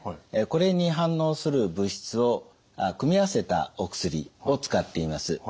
これに反応する物質を組み合わせたお薬を使っています。